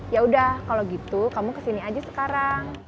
yaudah kalau gitu kamu kesini aja sekarang